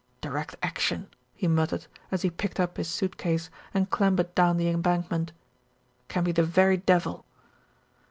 "Di rect Action," he muttered, as he picked up his suit case and clambered down the embankment, "can be the very devil."